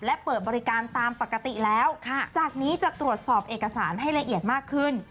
และเปิดบริการตามปกติแล้วจากนี้จะตรวจสอบเอกสารให้ละเอียดมากขึ้น